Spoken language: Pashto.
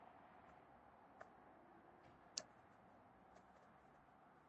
د شکایت بهیر باید ساده وي.